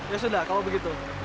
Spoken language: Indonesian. ya sudah kalau begitu